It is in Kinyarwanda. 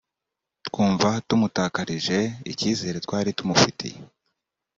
twumva tumutakarije icyizere twari tumufitiye